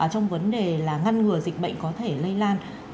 trong vấn đề là ngăn ngừa dịch bệnh có thể lây lan